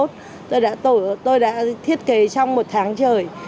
lễ hội si game ba mươi một tôi đã thiết kế trong một tháng trời